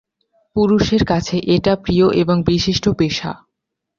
পুরুষের কাছে এটা প্রিয় এবং বিশিষ্ট পেশা।